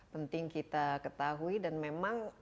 penting kita ketahui dan memang